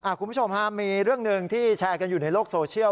คุณผู้ชมฮะมีเรื่องหนึ่งที่แชร์กันอยู่ในโลกโซเชียล